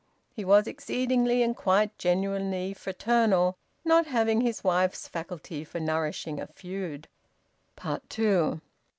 He was exceedingly and quite genuinely fraternal, not having his wife's faculty for nourishing a feud. TWO.